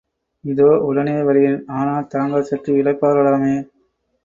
இதோ உடனே வருகிறேன் ஆனால் தாங்கள் சற்று இளைப்பாற லாமே.